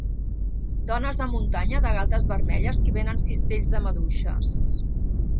Dones de muntanya de galtes vermelles que venen cistells de maduixes.